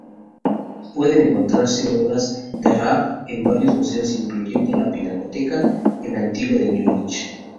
Pueden encontrarse obras de Raab en varios museos, incluyendo la Pinacoteca Antigua de Múnich.